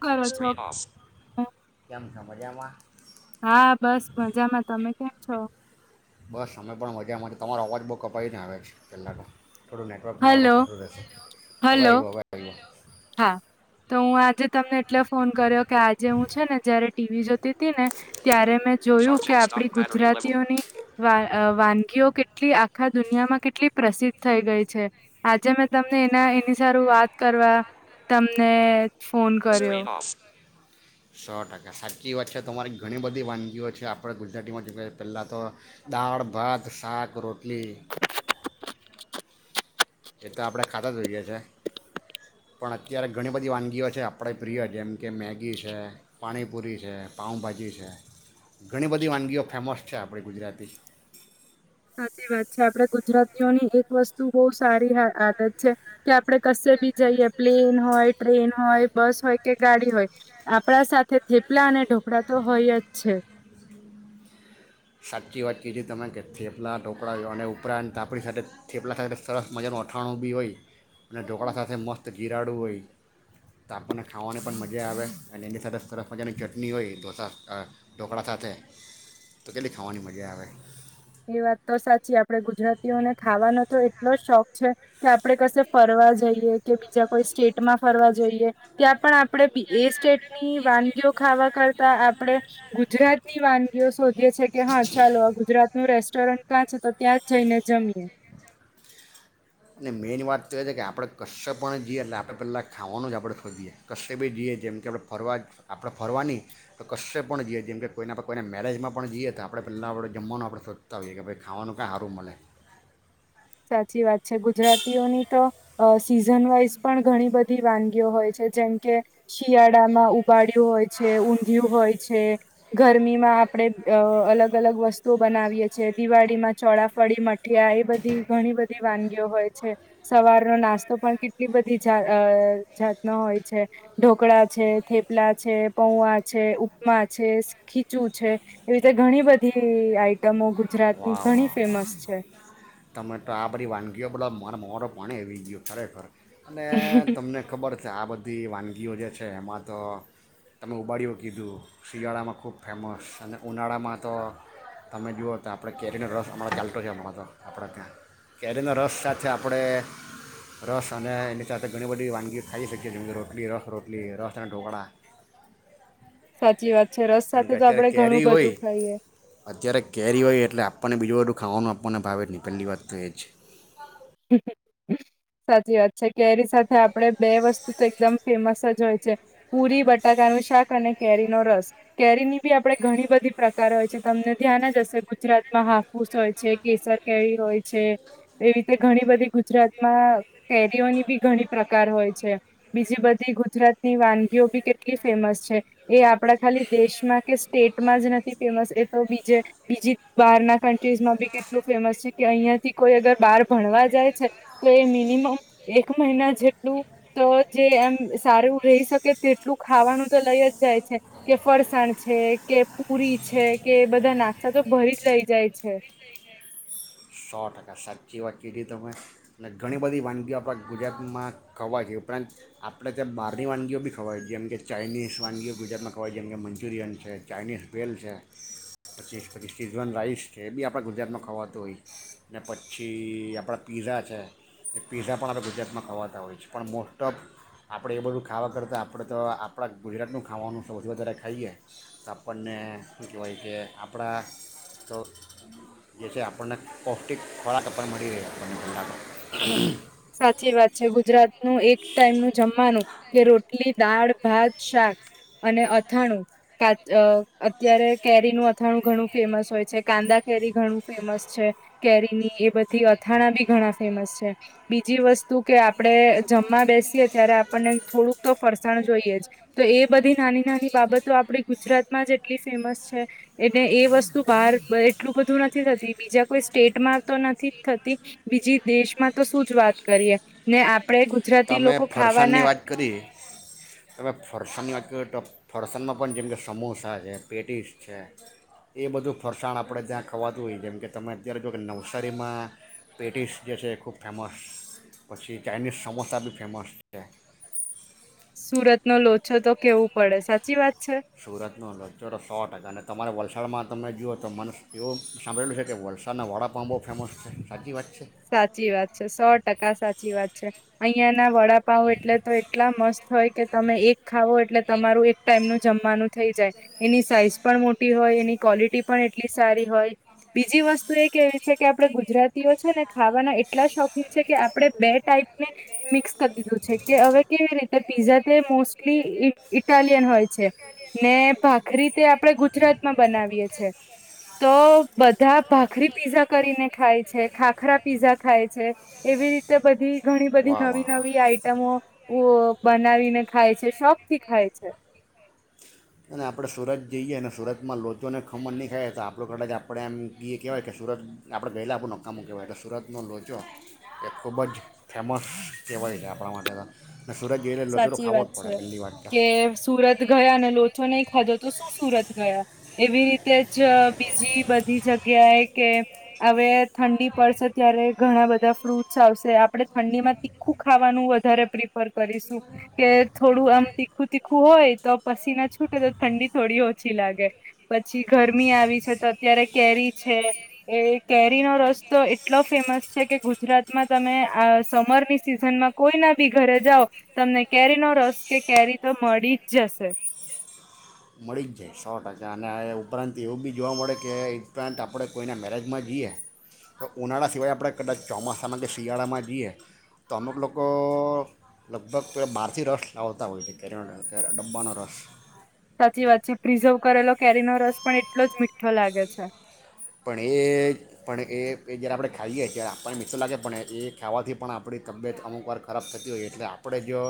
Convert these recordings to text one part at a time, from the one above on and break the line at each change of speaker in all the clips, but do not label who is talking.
કરો છો?
Screen off વાજામાં
હા બસ મજામાં તમે કેમ છો
બસ અમે પણ મજામાં તમારો અવાજ બહુ કપાવી ને આવે છે પેલા તો થોડું નેટવર્કમાં આવડો
હલો
સારું રહેશે હવે
હલો
આવ્યો હવે આવ્યો
હા તો હું આજે તમને એટલે ફોન કર્યો કે આજે હું છે ને જયારે ટીવી જોતી હતી ને ત્યારે મે જોયું કે આપડી ગુજરાતીઓની વાનગીઓ કેટલી આખા દુનિયામાં કેટલી પ્રસિદ્ધ થઈ ગઈ છે આજે મેં તમને એના એની સારું વાત કરવા તમને ફોન
[inaudible]
કર્યો.
સો ટકા સાચી વાત છે તમારી ઘણી બધી વાનગીઓ છે આપણે ગુજરાતીમાં જો પહેલા તો દાળ ભાત શાક રોટલી એ તો આપણે ખાતા જ હોઈએ છે પણ અત્યારે ઘણી બધી વાનગીઓ છે આપણે પ્રિય જેમ કે મેગી છે પાણીપુરી છે પાઉભાજી છે ઘણી બધી વાનગીઓ ફેમસ છે આપણી ગુજરાતી
સાચી વાત છે આપણે ગુજરાતીઓની એક વસ્તુ બહુ સારી આદત છે કે આપડણે કશે બી જઈએ પ્લેન હોય ટ્રેન હોય બસ હોય કે ગાડી હોય આપણા સાથે થેપલા અને ઢોકળા તો હોય જ છે
સાચી વાત કીધી તમે કે થેપલા ઢોકા અને ઉપરાંત તાપડી સાથે થેપલા સાથે સરસ મજાનું અથાણું બી હોય અને ઢોકળા સાથે મસ્ત જીરાડું હોય તોાપણને ખાવાની પણ મજા આવે અને એની સાથે સરસ મજાની ચટણી હોય ઢોસા ઢોકળા સાથે તો કેટલી ખાવાની મજા આવે
એ વાત તો સાચી આપડે ગુજરાતીઓને ખાવાનો તો એટલો જ શોખ છે કે આપડે કશે ફરવા જઈએ કે બીજા કોઈ સ્ટેટમાં ફરવા જઈએ ત્યાં પણ આપે એ સ્ટેટ ની વાનગીઓ ખાવા કરતા આપણે ગુજરાતની વાનગીઓ શોધી [unintelligible] કે હા ચાલો આ ગુજરાત નું રેસ્ટોરન્ટ ત્યાં છે તો ત્યાં જ જઈને જમીએ
અને મેઇન વાત તો એ છે કે આપણે કશશે પણ જઈએ એટલે આપણે પહેલા ખાવાનું જ આપણે શોધીએ કશે બી જઈએ જેમ કે આપણે ફરવા આપણે ફરવા નહીં તો કશે પણ જઈએ જેમ કે કોઈને આપણે કોઈને મેરેજમાં પણ જઈએ તો આપણે પહેલાં આપણે જમવાનું આપણે શોધતા હોઈએ કે ભાઈ ખાવાનું કાં સારું મળે
સાચી વાત છે ગુજરાતીઓની તો અ સીઝન વાઈઝ પણ ઘણી બધી વાનગીઓ હોય છે જેમ કે શિયાળામાં ઉબાડય્યું હોય છે ઊંધિયું હોય છે ગરમીમાં આપણેે અલગ અલગ વસ્તુઓ બનાવીએ છેએ દિવાળીમાં ચોળાફળી મઠિયા એ બધી ઘણી બધી વાનગીઓ હોય છે સવારનો નાસ્તો પણ કેટલી બધીત જાતનો હોય છે ઢોકળા છે થેપલા છે પૌઆ છે ઉપમા છે ખીચું છે એવી રીતે ઘણી બધી આઈટમો ગુજરાતની ઘણી ફેમસ છે
મેં તો આ બધી વાનગીઓ બલાયા માર મોઠેં પાણી આવી ગયો ખરેખર અને તમને ખબર છે આ બધી વાનગીઓ જે છે એમાં તો તમે ઉબાડીઓ કીધું શિયાળામાં ખૂબ ફેમસ અને ઉનાળામાં તો તમે જુઓ તો આપણે કેરીનો રસ હમણાં ચાલતો છે હમણાં તો આપણા ત્યાં કેરીનો રસ સાથે આપણે રસ અને એની સાથે ઘણી બધી વાનગી ખાઈ શકીએ જેમ કે રોટલી રસ રોટલી રસ અને ઢોકળા
સાચી વાત છે રસ
કારણ
સાથે
કે
તો
અત્યારે
આપડે ઘણું
કેરી
બધું
હોય
ખાઈએ.
અત્યારે કેરી હોય એટલે આપણને બીજું બધું ખાવાનું આપવાને ભાવે અને પલ્લી વાત તો છે
સાચી વાત છે કેરી સાથે આપડે બે વસ્તુ તો એકદમ ફેમસ જ હોય છે પુરી બટાકાનું શાક અને કેરીનો રસ કેરી ની બી આપડણે ઘણી બધી પ્રકાર હોય છે તમને ધ્યાન જ હશે ગુજરાતમાં હાપુસ હોય છે કેસર કેરી હોય છે એવી તે ઘણી બધી ગુજરાતમાં કેરીઓની બી ઘણી પ્રકાર હોય છે બીજી બધી ગુજરાતની વાનગીઓ બી કેટલી ફેમસ છે એ આપણા ખાલી દેશમાં કે સ્ટેટમાં જ નથી ફેમસ એ તો બીજે બીજી બહારના કન્ટ્રીઝમાં બી કેટલું ફેમસ છે કે અહિંયાથી કોઈ અગર બાર ભણવા જાય છે તો એ મિનિમમ એક મહિના જેટલું તો જે એમ સારું રહી શકે તેટલું ખાવાનું તો લઈ જ જાય છે કે ફરસાણ છે કે પુરી છે કે બધા નાસ્તા તો ભરી જ લઈ જાય છે.
સો ટકા સાચી વાતચી હતી તમે અને ઘણી બધી વાનગીઓ આપણા ગુજરાતમાં ખાવાય છે ઉપરાંત આપણે ત્યાં બહારની વાનગીઓ બી ખવાય જેમ કે ચાઇનીઝ વાનગીઓ ગુજરાતમાં ખવાય જેમ કે મંચુરિયન છે ચાઇનીઝ ભેલ છે પચીસ પચીસ સીઝવન રાઇસ છે એ બી આપણે ગુજરાતમાં ખવાતું હોય છે. ને પછી આપણા પીઝા છે એ પીઝા પણ આપણે ગુજરાતમાં ખાવાતા હોય છે પણ મોસ્ટ ઓફ આપણે એ બધું ખાવા કરતાં આપણે તો આપણા ગુજરાતનું ખાવાનું વધુ વધારે ખાઈએ તો આપણને શું કહેવાય કે આપણા તો જે છે આપણને પૌષ્ટિક ખોરાક આપણ મળી રહે આપણને ગલા.
સાચી વાત છે ગુજરાતનું એક ટાઈમનું જમવાનું કે રોટલી દાળ ભાત શાક અને અથાણું કાચ અત્યારે કેરીનું અથાણું ઘણું ફેમસ હોય છે કાંદા કેરી ઘણું ફેમસ છે કેરીની એ બધી અથાણા બી ઘણા ફેમસ છે બીજી વસ્તુ કે આપણેે જમવા બેસીએ ત્યારે આપણને થોડુંક તો ફરસાણ જોઈએ જ તો એ બધી નાની નાની બાબતો આપડી ગુજરાતમાં જ એટલી ફેમસ છે એને એ વસ્તુ બહાર એટલું બધું નથી થતી બીજા કોઈ સ્ટેટમાં તો નથી જ થતી બીજી દેશમાં તો શું વાત કરીએ ને આપ
તો અમે ફરસાણની વાત કરી તમે ફરસાણની વાત કરી તો ફરસાણમાં પણ જેમકે સમોસા છે પેટીસ છે એ બધું ફરસાણ આપણે ત્યાં ખાવાતું હોઈ જેમ કે તમે અત્યારે જો કે નવસારીમાં પેટીસ જે છે ખૂબ ફેમસ પછી ચાઇનીઝ સમોસા બી ફેમસ છે
સુરત નો લોચો તો કેવું પડે સાચી વાત છે.
સુરત નો લોચો તો સો ટકા અને તમારે વલસાડમાં તમે જુઓ તો માનસ એવું સાંભળેલું છે કે વલસાના વડાપાંવ બહુ ફેમસ છે સાચી વાત છે
સાચી વાત છે. સો ટકા સાચી વાત છે. અહિયાં ના વડાપાવ એટલે તો એટલા મસ્ત હોય કે તમે એક ખાવો એટલે તમારું એક ટાઈમ ન જમવાનું થઈ જાય એની સાઈઝ પણ મોટી હોય એની ક્વોલિટી પણ એટલી સારી હોય બીજી વસ્તુ એ કેવી છે કે આપડે ગુજરાતીઓ છે ને ખાવાના એટલા શોખીન છે કે આપડણે બે ટાઈપને મિક્સ કરી દીધું છે કે હવે કેવી રીતે પીઝા તે મોસ્ટલી ઇટાલિયન હોય છે ને ભાખરી તે આપણે ગુજરાતમાં બનાવીએ છે તો બધા ભાખરી પીઝા કરીને ખાય છે. ખાખરા પીઝા ખાય છે એવી રીતે બધી ઘણી બધી
વાહ
નવી
વાહ વાહ
નવી આઈટમો ઉ બનાવીને ખાય છે શોખ થી ખાય છે
અને આપણે સુરત જઈએ અને સુરતમાં લોચોને ખમણ ન ખાય તો આપણું કદ જ આપણે એમ એ કહેવાય કે સુરત આપણે પહેલા આપણું નક્કામું કહેવાય તો સુરતનો લોચો એ ખૂબ જ ફેમસ કહેવાય છે આપણા માટે તો અને સુરત જઈએ એટલે લોચો તો
સાચી
ખાવો જ
વાત
પડે
છે
પહેલી વાત તો
કે સુરત ગયા ને લોચો નહી ખધો તો શું સુરત ગયા એવી રીતે જ બીજી બધી જગ્યાએ કે હવે ઠંડી પડશે ત્યારે ઘણા બધા ફ્રૂટસ આવશે. આપડે ઠંડીમાં તીખું ખાવાનું વધારે પ્રિફર કરીશ. કે થોડું આમ તીખું તીખું હોય તો પસીના છૂટે તો ઠંડી થોડી ઓછી લાગે પછી ગરમી આવી છે તો અત્યારે કેરી છે એ કેરીનો રસતો એટલો ફેમસ છે કે ગુજરાતમાં તમે સમરની સિઝનમાં કોઈના બી ઘરે જાઓ. તમને કેરીનો રસ કે કેરી તો મળી જ જશે.
મળી જ જાય સો ટકા અને એ ઉપરાંત એવું બી જોવા મળે કે ઉપરાંત આપણે કોઈના મેરેજમાં જઈએ તો ઉનાળા સિવાય આપણે કદાચ ચોમાસામાં કે શિયાળામાં જઈએ તો અમુક લોકો લગભગ બહારથી રસ લાવતા હોય છે કે ડબ્બાનો રસ
સાચી વાત છે પ્રિઝર્વ કરેલો કેરીનો રસ પણ એટલો જ મીઠો લાગે છે.
પણ એ પણ એ જ્યારે આપણે ખાઈએ ત્યારે આપણને મીઠો લાગે પણ એ ખાવાથી પણ આપણી તબિયત અમુકવાર ખરાબ થતી હોઈ એટલે આપણે જો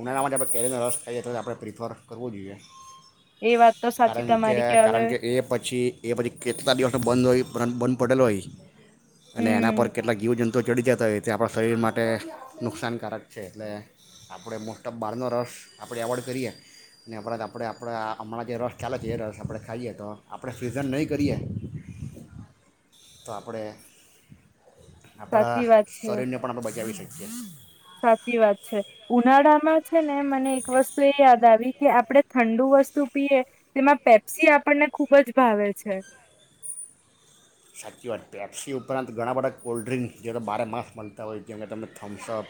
ઉનાળામાં જ આપણે કેરીનો રસ ખાઈએ તો આપણે પ્રિફર કરવો જોઈએ.
એ વાત તો સાચી
કારણ કે
તમારી હવે
કારણ કે એ પછી એ પછી કેટલા દિવસ બંધ હોય બંધ બંધ પડેલ હોય. અને એના
હમ
પર કેટલાક જીવજંતુ તો ચડી જતા હોય તે આપણા શરીર માટે નુકસાનકારક છે એટલે આપણે મોસ્ટ ઓફ બહારનો રસ આપણે એવોઇડ કરીએ ને બરા આપણે આપણા હમણાં જે રસ ચાલે છે એ રસ આપણે ખાઈએ તો આપણે ફ્રીઝન નહીં કરીએ. તો આપણે આપણા
સાચી વાત છે
શરીરને પણ આપણે બચાવી શકીએ
સાચી વાત છે. ઉનાળામાં જ છે ને મને એક વસ્તુ એ યાદ આવી કે આપણે ઠંડુ વસ્તુ પીએ તેમાં પેપ્સી આપણને ખુબ જ ભાવે છે.
સાચી વાત પેપ્સી ઉપરાંત ઘણા બધા કોલ્ડ્રિંકસ જે બારે માસ મળતા હોય જે કે તમને થમ્સઅપ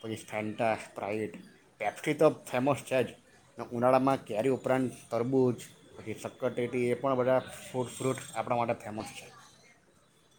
પછી ફેન્ટા સ્પ્રાાઈટ પેપ્સી તો ફેમસ છે જ ઉનાળામાં કેરી ઉપરાંત તરબૂચ પછી સક્કરટેટી એ પણ બધા ફ્રૂટ ફ્રૂટસ આપણા માટે ફેમસ છે.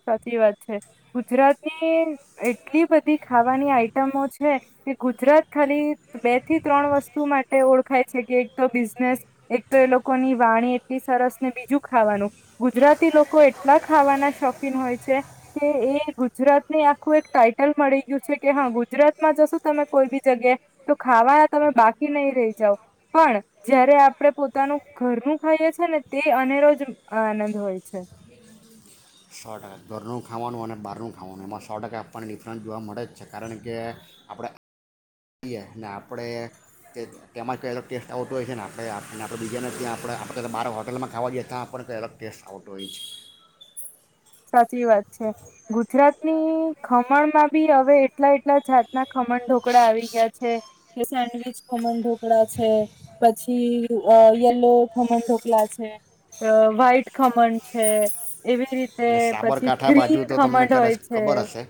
સાચી વાત છે. ગુજરાતની એટલી બધી ખાવાની આઈટમો છે કે ગુજરાત ખાલી બે થી ત્રણ વસ્તુ માટે ઓળખાય છે કે એક તો બિઝનેસ એક તો એ લોકોની વાણી એટલી સરસ ને બીજું ખાવાનું ગુજરાતી લોકો એટલા ખાવાના શોખ હોય છે કે એ ગુજરાતને આખું એક ટાઈટલ મળી ગયું છે કે હા ગુજરાતમાં જશો તમે કોઈ બી જગ્યાએ તો ખાવા તમે બાકી નહી રય જાય પણ જયારે આપણે પોતાનું ઘરનું ખાઈએ છે ને તે અનેરોજ આનંદ હોય છે.
સો ટકા ઘરનું ખાવાનું અને બહારનું ખાવાનું એમાં સો ટકા આપવાની ડિફરન્સ જોવા મળે જ છે કારણ કે આપણે કઈએ ને આપણે તેમાં કંઈ અલગ ટેસ્ટ આવતો હોય છે ને આપણેને આપણે બીજાને ત્યાં આપણે આપણે ક બાર હોટલમાં ખાવા જઈએ ત્યાં આપણને કંઈ અલગ ટેસ્ટ આવતો હોય છે.
સાચી વાત છે ગુજરાતની ખમણ માં બી હવે એટલા એટલા જાતના ખમણ ઢોકળા આવી ગયા છે કે સેન્ડવીચ ખમણ ઢોકળા છે પછી યલો ખમણ ઢોકળા છે, વ્હાઈટ ખમણ છે એવી રીતે
અને
પછી
સાબરકાંઠા બાજુ
ગ્રીન
તો તમને
ખમણ
કદાચ
હોય છે
ખબર હશે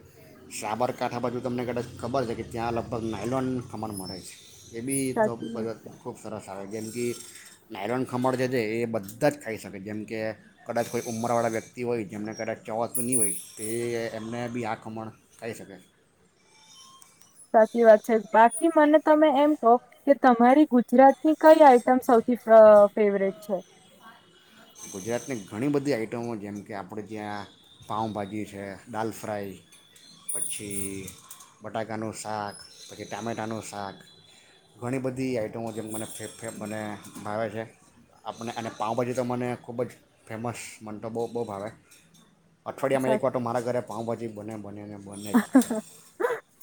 સાબરકાંઠા બાજુ તમને કદાચ ખબર છે કે ત્યાં લગભગ નાઇલોન ખમણ મળે છે. એ બી તો
સાચી
મ
વાત છે
ખૂબ સરસ જેમ કે નાયલોન ખમણ છે એ બધા જ ખાઈ શકે જેમ કે કદાચ કોઈ ઉંમરવાળા વ્યક્તિ વ્યક્તિ હોય જેમને કદાચ ચવાતું નહી હોય તે એમને બી આ ખમણ ખાઈ શકે.
સાચી વાત છે બાકી મને તમે એમ કહો કે તમારી ગુજરાતની કઈ આઈટમ સૌથી ફેવરેટ છે.
ગુજરાતની ઘણી બધી આઈટમો જેમ કે આપણે ત્યાં પાઉભાજી છે, દાલ ફ્રાય પછી બટાકાનું શાક પછી ટામેટાનું શાક ઘણી બધી આઈટમો જેમ મને ફેે મને ભાવે છે. આપણે અને પાઉભાજી તો મને ખૂબ જ ફેમસ મન તો બો બો ભાવે.
સા
અઠવાડિયામાં એક વાર તો મારા ઘરે પાાવભાજી બન્યા બને્યાને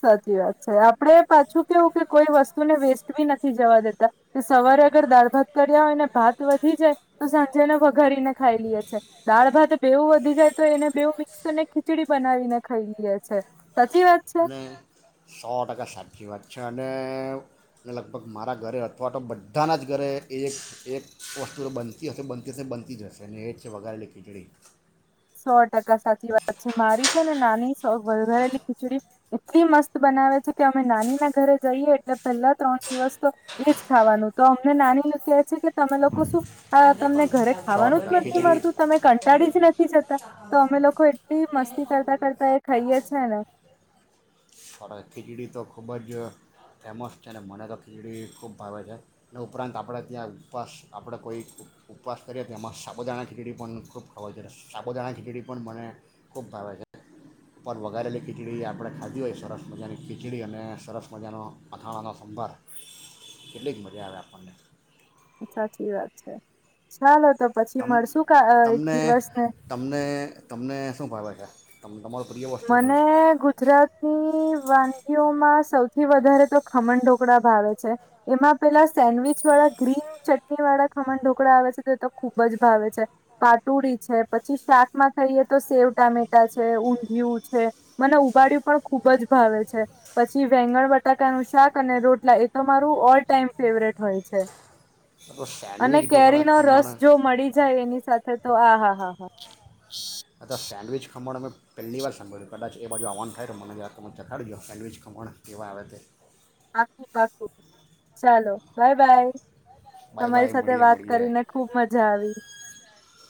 સાચી વાત છે આપ આપણેે પાછું કેવું કે કોઈ વસ્તુને વેસ્ટ બી નથી જવા દેતા કે સવારે અગર દાળ ભાત કર્યા હોય ને ભાત વધી જાય તો સાંજેને વઘાારીને ખાઈ લઈએ છીએ દાળ ભાત બેવ વધી જાય તો એને બેવું મિક્સ અને ખીચડી બનાવીને ખાઈ લઈએ. છે. સાચી વાત છે.
અને સો ટકા સાચી વાત છે અને અને લગભગ મારા ઘરે અથવા તો બધાના જ ઘરે એ એક વસ્તુ તો બનતી હશે બનતી હશે બનતી જ હશે એ જ છે વઘારેલી ખીચડી.
સો ટકા સાચી વાત છે મારી ને નાની વાઘરેલી ખીચડી એટલી મસ્ત બનાવે છે કે અમે નાની ના ઘરે જઈએ એટલે પહેલા ત્રણ દિવસ તો એજ ખાવાનું તો અમને નાની કેહે છે કે તમે લોકો શું હા તમને ઘરે
સો
ખાવાનું
ટકા
જ નથી
ખીચડી
મળતું તમે કંટાળી જ નથી જતા. તો અમે લોકો એટલી મસ્તી કરતા કરતા એ ખાઈએ છેને.
સો ટકા ખીચડી તો ખૂબ જ ફેમસ છે મને તો ખીચડી ખૂબ ભાવે છે અને ઉપરાંત આપણે ત્યાં ઉપવાસ આપણે કોઈ ઉપવાસ કરીએ તો એમાં સાબુદાણા ખીચડી પણ ખૂબ ખવાય છે સાબુદાણા ખીચડી પણ મને ખૂબ ભાવે છે ઉપરવઘારેેલી ખીચડી આપણે ખાધી હોય સરસ મજાની ખીચડી અને સરસ મજાનો મથાણાનો સંભાર એટલી જ મજા આવે આપણને
સાચી વાત છે ચાલો. તો પછી
તમ
મળશું કા અ એક
તમને
દિવસ ને
તમને તમને શું ફાવે છે. તમ તમારું પ્રિય વસ્તુ શું
મને ગુજરાતની વાનગીઓમાં સૌથી વધારે તો ખમણ ઢોકળા ભાવે છે એમાં પેલા સેન્ડવીચ વાળા ગ્રીન ચટણી વાળા ખમણ ઢોકળા આવે છે તે તો ખુબ જ ભાવે છે પાટુડી છે પછી શાકમાં ખાઈએ તો સેવ ટામેટા છે ઊ જીવ છે મને ઉબાડું પણ ખુબ જ ભાવે છે પછી વેંગણ બટાકાનું શાક અને રોટલા એ તો મારું ઓલ ટાઈમ ફેવરેટ હોય છે.
છે તો
અને
સેન્ડવિચ
કેરી
ઢોકળા
નો
ખમણ
રસ જો મળી જાય એની સાથે તો હા હા હા હા.
અ્ સેન્ડવિચ ખમણ અમે પહેલી વાર સાભળ્યું કદાચ એ બાજુ આવવાન થાય મને જ તો ચખાડીજો સેન્ડવીિચ કમણ એવા આવે તે.
પા ચાલો બાય બાય.
બાય
તમારી
બાય
સાથે
મળીએ
વાત
મળીએ
કરીને ખુબ મજા આવી.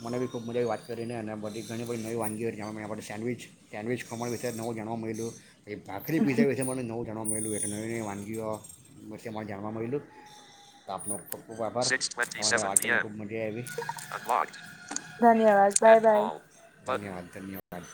મને બી ખૂબ મજા આવી વાત કરીને અને બધી ઘણી બધી નવી વાગી સેન્ડવિચ સેન્ડવિચ ખમણ વિશે નવું જાણવા મળલ્યું. એ ભખરી પીઝા વિ છે મને નવ જાવા મળલ નવી વાનગીઓ જાણવા મળલ આપનો ખૂબ આભાર ખબ મજા આવી. [inaudible]
ધન્યવાદ બાય બાય.
ધન્યવાદ ધન્યવાદ.